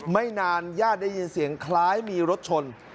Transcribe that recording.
ไม่นานญาติได้ยินเสียงคล้ายมีรถชน